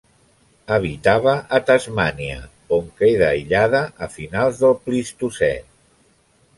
Habitava a Tasmània, on queda aïllada a finals del Plistocè.